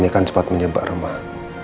ini kan cepat menyebab remah